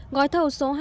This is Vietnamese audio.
ngói thầu số hai